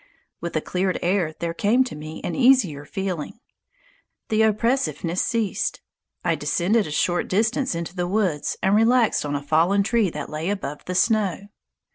With the cleared air there came to me an easier feeling. The oppressiveness ceased. I descended a short distance into the woods and relaxed on a fallen tree that lay above the snow.